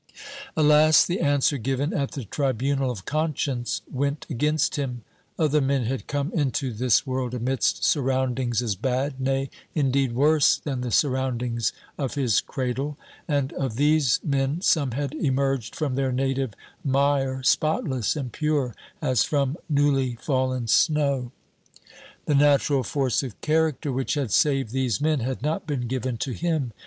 Alas, the answer given at the tribunal of conscience went against him! Other men had come into this world amidst surroundings as bad, nay, indeed, worse than the surroundings of his cradle. And of these men some had emerged from their native mire spotless and pure as from newly fallen snow. The natural force of character which had saved these men had not been given to him.